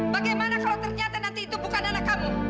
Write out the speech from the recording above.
bagaimana kalau ternyata nanti itu bukan anak kamu